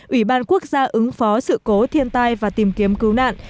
ủy ban quốc gia ứng phó sự cố thiên tai và tìm kiếm cứu nạn